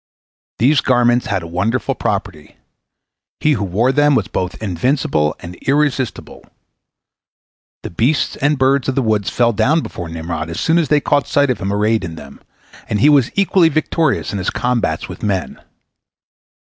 These garments had a wonderful property. He who wore them was both invincible and irresistible. The beasts and birds of the woods fell down before Nimrod as soon as they caught sight of him arrayed in them, and he was equally victorious in his combats with men.